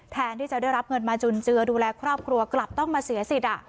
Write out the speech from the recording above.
แทนที่จะได้รับเงินมาจุนเจือดูแลครอบครัวกลับต้องมาเสียสิทธิ์